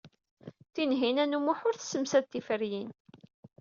Tinhinan u Muḥ ur tessemsad tiferyin.